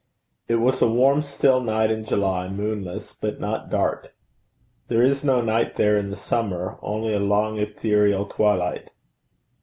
It was a warm still night in July moonless but not dark. There is no night there in the summer only a long ethereal twilight.